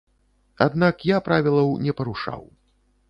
Аднак я правілаў не парушаў.